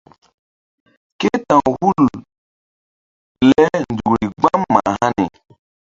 Ké ta̧w hul le nzukri gbam mah hani.